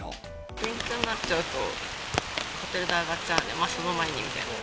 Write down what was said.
連休になっちゃうとホテル代上がっちゃうんで、その前にみたいな。